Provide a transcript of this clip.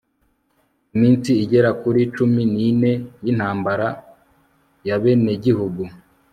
Iminsi igera kuri cumi nine yintambara yabenegihugu